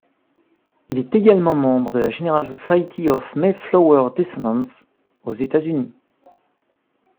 Il est également membre de la General Society of Mayflower Descendants aux États-Unis.